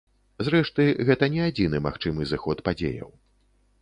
Зрэшты, гэта не адзіны магчымы зыход падзеяў.